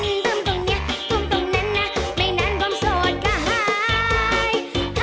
ต้มตรงเนี่ยต้มตรงนั้นนะไม่นานความสดก็หายหาย